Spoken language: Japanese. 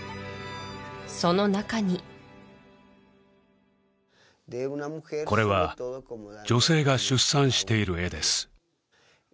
その中にこれは女性が出産している絵です